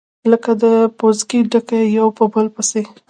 لكه د پوزکي ډَکي يو په بل پسي،